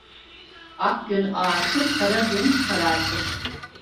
Ak gün ağartır, kara gün karartır.